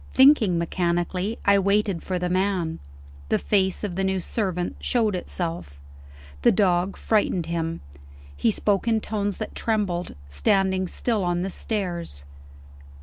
Thinking mechanically, I waited for the man. The face of the new servant showed itself. The dog frightened him: he spoke in tones that trembled, standing still on the stairs.